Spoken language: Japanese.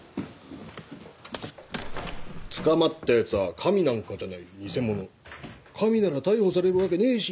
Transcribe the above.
「捕まった奴は神なんかじゃないニセモノ」「神なら逮捕されるわけねーし！」